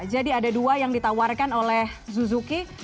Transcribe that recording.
jadi ada dua yang ditawarkan oleh suzuki